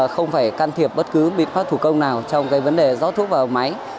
không phải can thiệp bất cứ biến pháp thủ công nào trong vấn đề gió thuốc vào máy